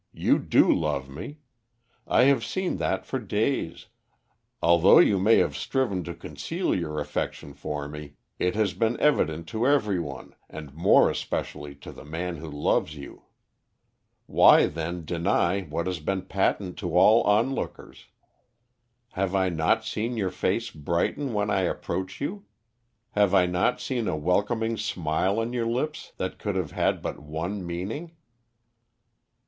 You do love me. I have seen that for days; although you may have striven to conceal your affection for me, it has been evident to every one, and more especially to the man who loves you. Why, then, deny what has been patent to all on lookers? Have I not seen your face brighten when I approached you? Have I not seen a welcoming smile on your lips, that could have had but one meaning?"